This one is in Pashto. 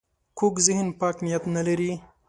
کوږ ذهن پاک نیت نه لري